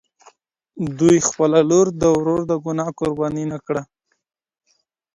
دوی خپله لور د ورور د ګناه قرباني نه کړه.